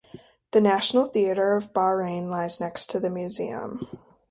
The National Theatre of Bahrain lies next to the museum.